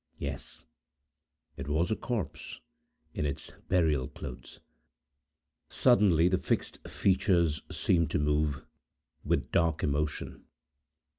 Yes; it was a corpse, in its burial clothes. Suddenly, the fixed features seemed to move, with dark emotion.